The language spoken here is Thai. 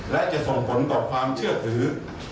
และจะส่งผลต่อความเชื่อถือ